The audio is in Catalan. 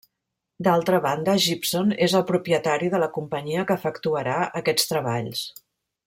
D'altra banda, Gibson és el propietari de la companyia que efectuarà aquests treballs.